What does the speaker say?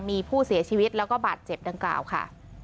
มีผู้เสียชีวิตแล้วก็บาดเจ็บดังกล่าวค่ะ